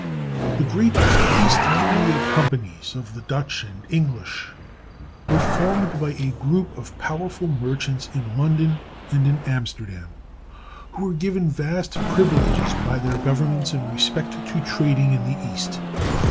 The great "East India Companies" of the Dutch and English were formed by a group of powerful merchants in London and in Amsterdam, who were given vast privileges by their governments in respect to trading in the East.